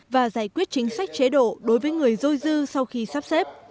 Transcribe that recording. và giải quyết chính sách chế độ đối với người dôi dư sau khi sắp xếp